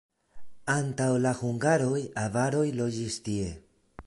Antaŭ la hungaroj avaroj loĝis tie.